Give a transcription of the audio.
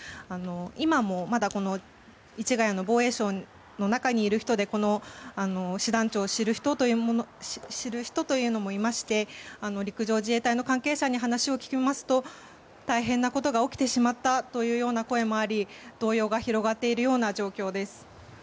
今もまだ市ヶ谷の防衛省の中にいる人でこの師団長を知る人というのもいまして陸上自衛隊の関係者に話を聞きますと大変なことが起きてしまったという声もあり動揺が広がっているような状況です。